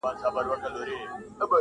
نه یې پل معلومېدی او نه یې نښه؛